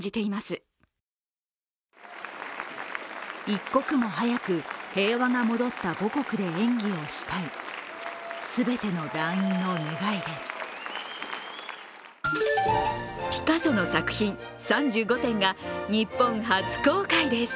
一刻も早く、平和が戻った母国で演技をしたい全ての全員の願いです。